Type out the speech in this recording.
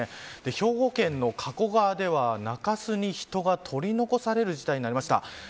兵庫県の加古川では中州に人が取り残される事態になりました。